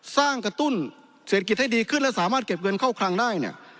สร้างกระตุ้นเศรษฐกิจให้ดีขึ้นและสามารถเก็บเงินเข้าครั้งได้